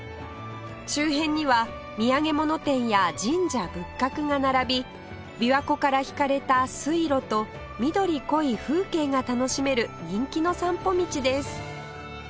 周辺には土産物店や神社仏閣が並び琵琶湖から引かれた水路と緑濃い風景が楽しめる人気の散歩道です